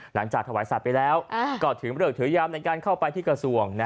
หลังจากถวายสัตว์ไปแล้วก็ถึงเลือกถือยามในการเข้าไปที่กระทรวง